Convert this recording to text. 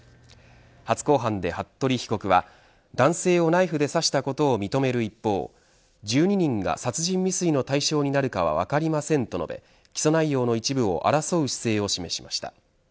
初公判で服部被告は男性をナイフで刺したことを認める一方１２人が殺人未遂の対象になるかは分かりませんと述べ起訴内容の一部を争う姿勢を示しました。